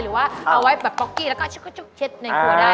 หรือว่าเอาไว้แบบเก๊กอีกแล้วก็ชึกเข็ดในครัวได้